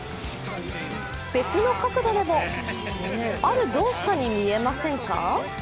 別の角度でも、ある動作に見えませんか？